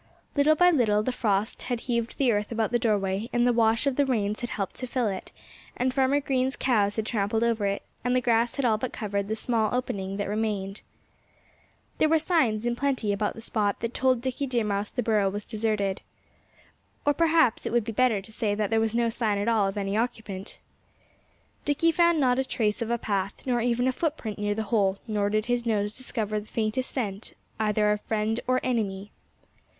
Little by little the frost had heaved the earth about the doorway, and the wash of the rains had helped to fill it, and Farmer Green's cows had trampled over it, and the grass had all but covered the small opening that remained. There were signs in plenty about the spot that told Dickie Deer Mouse the burrow was deserted. Or perhaps it would be better to say that there was no sign at all of any occupant. Dickie found not a trace of a path nor even a foot print near the hole nor did his nose discover the faintest scent either of friend or enemy.